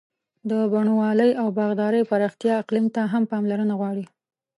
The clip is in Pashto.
د بڼوالۍ او باغدارۍ پراختیا اقلیم ته هم پاملرنه غواړي.